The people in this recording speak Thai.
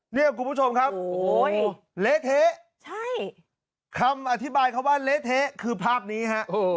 เนี่ยคุณผู้ชมครับเละเทะใช่คำอธิบายเขาว่าเละเทะคือภาพนี้ฮะ